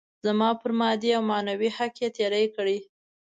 زما پر مادي او معنوي حق يې تېری کړی.